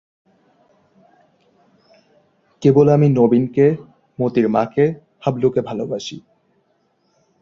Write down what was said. কেবল আমি নবীনকে, মোতির মাকে, হাবলুকে ভালোবাসি।